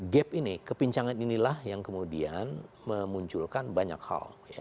gap ini kepincangan inilah yang kemudian memunculkan banyak hal